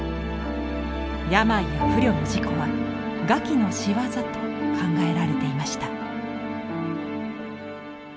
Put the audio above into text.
病や不慮の事故は餓鬼の仕業と考えられていました。